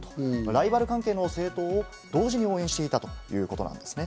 ライバル関係の政党を同時に応援していたということなんですね。